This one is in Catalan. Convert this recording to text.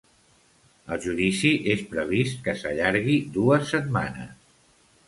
El judici és previst que s’allargui dues setmanes.